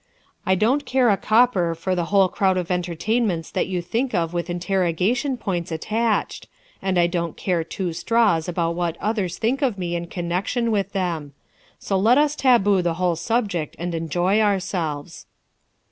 I don't care a copper for the whole crowd of entertainments that you think of with interrogation points attached, and I don't care two straws about what others think of me in connection with them; so let us taboo the whole subject and enjoy ourselves."